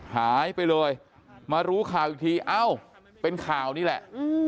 หายไปเลยมารู้ข่าวอีกทีเอ้าเป็นข่าวนี่แหละ